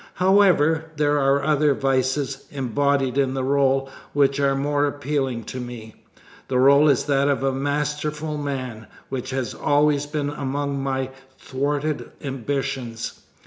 However, there are other vices embodied in the rôle which are more appealing to me. The rôle is that of a masterful man, which has always been among my thwarted ambitions.